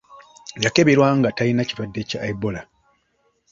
Yakeberwa nga talina kirwadde kya Ebola.